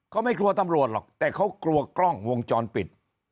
เขาไม่กลัวตำรวจหรอกแต่เขากลัวกล้องวงจรปิด